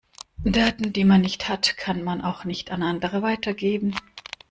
Daten, die man nicht hat, kann man auch nicht an andere weitergeben.